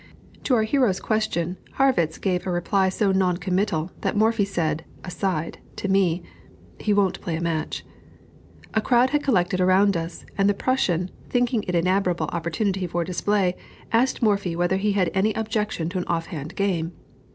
To our hero's question, Harrwitz gave a reply so non committal, that Morphy said, aside, to me, "He won't play a match." A crowd had collected around us, and the Prussian, thinking it an admirable opportunity for display, asked Morphy whether he had any objection to an off hand game.